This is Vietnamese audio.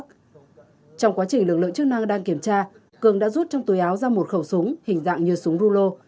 trong quá trình lực lượng chức năng đang kiểm tra cường đã rút trong túi áo ra một khẩu súng hình dạng như súng rulo